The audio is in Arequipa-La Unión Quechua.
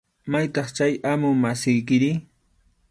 ¿Maytaq chay amu masiykiri?